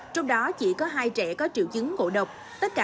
trong đó chỉ có hai trẻ có triệu chứng ngộ độc